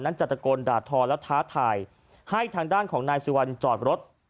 นั้นจัดกนดาดทอและท้าทายให้ทางด้านของนายสิวัลจอดรถ